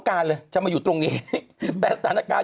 ครับพระ